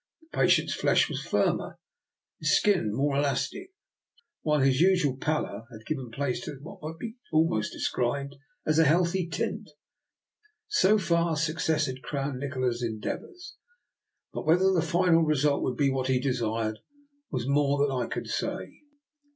The patient's flesh was firmer and his skin more elastic, while his usual pallor had given place to what might almost be described as a healthy tint. So far success had crowned Nikola's endeavours; but whether the final result would be what he desired was more than I could say.